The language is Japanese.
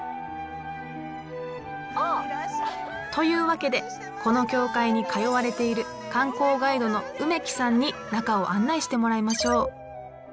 というわけでこの教会に通われている観光ガイドの梅木さんに中を案内してもらいましょう。